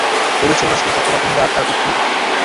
তবে ছিল না সেখানে পত্রবাহক মহিলা আর তার উটনী।